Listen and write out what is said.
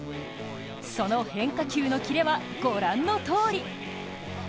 その変化球のキレは御覧のとおり。